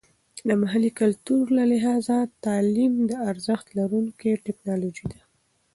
د محلي کلتور له لحاظه تعلیم د ارزښت لرونکې ټیکنالوژي ده.